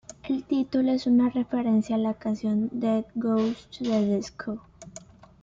El título es una referencia a la canción "Death Goes to the Disco".